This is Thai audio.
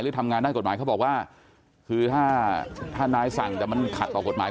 ทำงานด้านกฎหมายเขาบอกว่าคือถ้านายสั่งแต่มันขัดต่อกฎหมาย